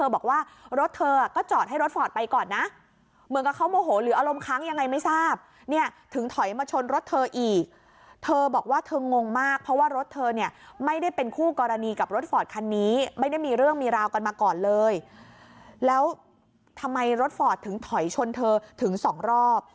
บอกว่าเธองงมากเพราะว่ารถเธอเนี่ยไม่ได้เป็นคู่กรณีกับรถฟอร์ดคันนี้ไม่ได้มีเรื่องมีราวกันมาก่อนเลยแล้วทำไมรถฟอร์ดถึงถอยชนเธอถึงสองรอบ